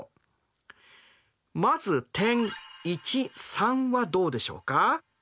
まず点はどうでしょうか？